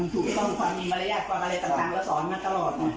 ถูกต้องความมีมารยาทความอะไรต่างเราสอนมาตลอด